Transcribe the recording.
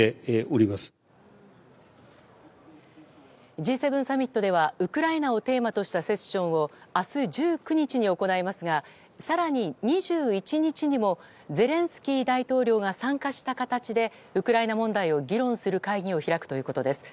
Ｇ７サミットではウクライナをテーマにしたセッションを明日１９日に行いますが更に２１日にもゼレンスキー大統領が参加した形でウクライナ問題を議論する会議を開くということです。